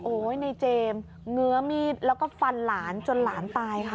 ในเจมส์เงื้อมีดแล้วก็ฟันหลานจนหลานตายค่ะ